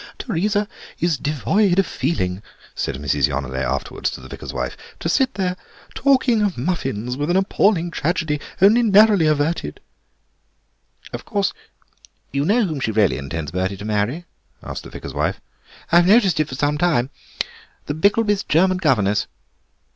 "Teresa is devoid of feeling," said Mrs. Yonelet afterwards to the vicar's wife; "to sit there, talking of muffins, with an appalling tragedy only narrowly averted—" "Of course you know whom she really intends Bertie to marry?" asked the vicar's wife; "I've noticed it for some time. The Bickelbys' German governess."